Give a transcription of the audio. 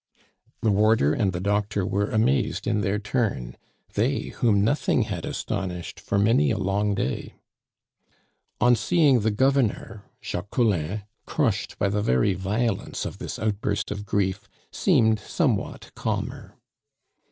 The warder and the doctor were amazed in their turn they, whom nothing had astonished for many a long day. On seeing the governor, Jacques Collin, crushed by the very violence of this outburst of grief, seemed somewhat calmer.